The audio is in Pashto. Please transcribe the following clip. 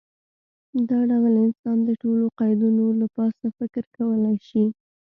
دا ډول انسان د ټولو قیدونو له پاسه فکر کولی شي.